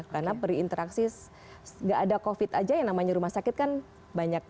karena perinteraksi nggak ada covid aja yang namanya rumah sakit kan banyak